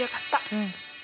うん。